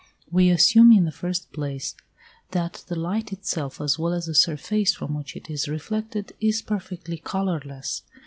We assume, in the first place, that the light itself as well as the surface from which it is reflected, is perfectly colourless.